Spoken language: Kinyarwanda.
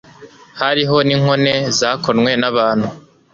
hariho n'inkone zakonwe n'abantu